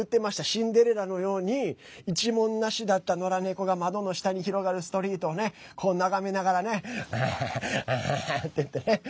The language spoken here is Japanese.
シンデレラのように一文なしだったのら猫が窓の下に広がるストリートをこう、眺めながらね。